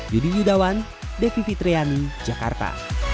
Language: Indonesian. yudi yudawan devivitriani jakarta